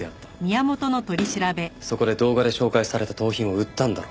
そこで動画で紹介された盗品を売ったんだろ。